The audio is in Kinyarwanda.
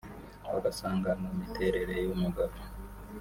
bagasanga mu miterere y’umugabo